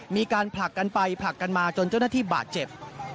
มีการผลักกันไปผลักกันมาจนเจ้าหน้าที่บาดเจ็บ